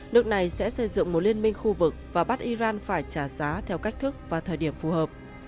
nước này sẽ xây dựng một liên minh khu vực và bắt iran phải trả giá theo cách thức và thời điểm phù hợp